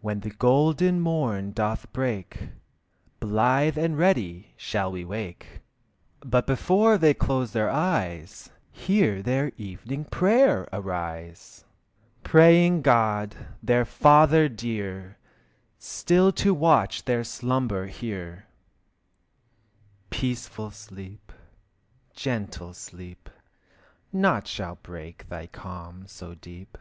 When the golden morn doth break, Blithe and ready shall we wake. But before they close their eyes, Hear their evening prayer arise! Praying God, their Father dear, Still to watch their slumber here. Peaceful sleep, gentle sleep, Naught shall break thy calm so deep.